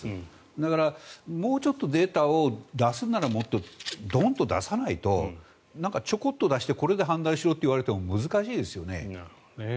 だから、もうちょっとデータを出すならドンと出さないとちょこっと出してこれで判断しろと言われても難しいですよね。